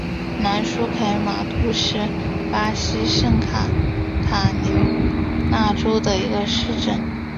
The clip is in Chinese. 兰舒凯马杜是巴西圣卡塔琳娜州的一个市镇。